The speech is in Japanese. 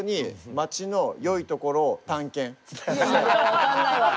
分かんないわ。